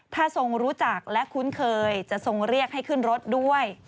ถ้าทรงรู้จักและคุ้นเคยจะทรงเรียกให้ขึ้นรถด้วย